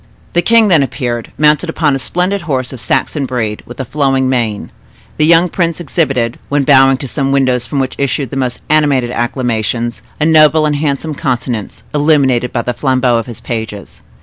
The king then appeared, mounted upon a splendid horse of Saxon breed, with a flowing mane. The young prince exhibited, when bowing to some windows from which issued the most animated acclamations, a noble and handsome countenance, illuminated by the flambeaux of his pages.